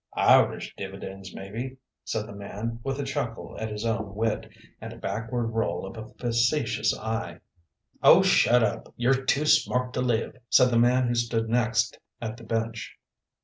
"Irish dividends, maybe," said the man, with a chuckle at his own wit, and a backward roll of a facetious eye. "Oh, shut up, you're too smart to live," said the man who stood next at the bench.